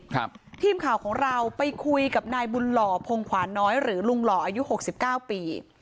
ทีมข่าวของเราไปคุยกับนายบุญหล่อพงขวานน้อยหรือลุงหล่ออายุหกสิบเก้าปี